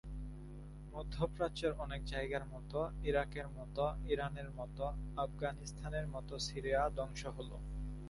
মধ্যপ্রাচ্যের অনেক জায়গার মতো, ইরাকের মতো, ইরানের মতো, আফগানিস্তানের মতো সিরিয়া ধ্বংস হলো।